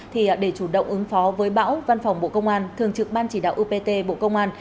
thì để chủ động ứng phó với bão văn phòng bộ công an thường trực ban chỉ đạo upt bộ công an